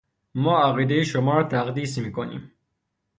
ما عقیدهُ شما را تقدیس میکنیم.